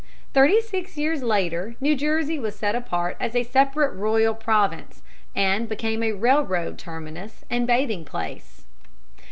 Thirty six years later New Jersey was set apart as a separate royal province, and became a railroad terminus and bathing place.